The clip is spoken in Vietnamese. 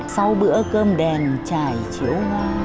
sau bữa cơm đèn trải chiếu hoa